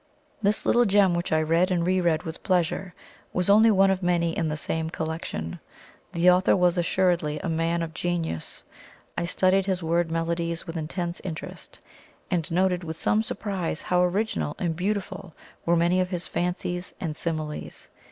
This little gem, which I read and re read with pleasure, was only one of many in the same collection, The author was assuredly a man of genius. I studied his word melodies with intense interest, and noted with some surprise how original and beautiful were many of his fancies and similes.